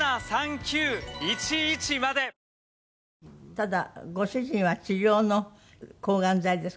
ただご主人は治療の抗がん剤ですか。